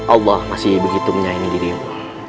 allah masih begitu menyayangi dirimu